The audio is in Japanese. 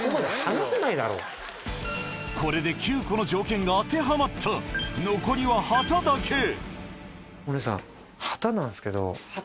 これで９個の条件が当てはまった残りは旗だけお姉さん。